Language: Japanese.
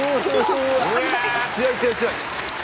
うわ強い強い強い。